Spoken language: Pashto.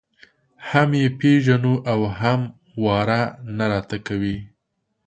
هم یې پېژنو او هم واره نه راته کوي.